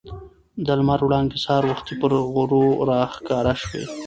د لمر وړانګې سهار وختي پر غرو راښکاره شوې.